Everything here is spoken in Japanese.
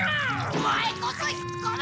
オマエこそ引っこめ！